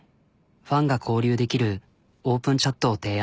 ファンが交流できるオープンチャットを提案。